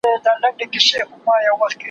نه يوه بل ته په زور تسليمېدله